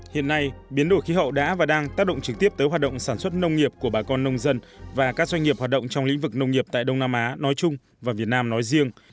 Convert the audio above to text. hiện nay biến đổi khí hậu đã và đang tác động trực tiếp tới hoạt động sản xuất nông nghiệp của bà con nông dân và các doanh nghiệp hoạt động trong lĩnh vực nông nghiệp tại đông nam á nói chung và việt nam nói riêng